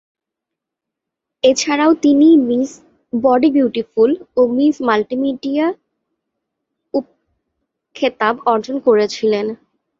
এছাড়াও তিনি 'miss body beautiful' ও 'মিস মাল্টিমিডিয়া' উপ খেতাব অর্জন করেছিলেন।